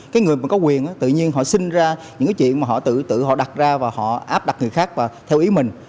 cái người mà có quyền tự nhiên họ sinh ra những chuyện mà họ tự đặt ra và họ áp đặt người khác theo ý mình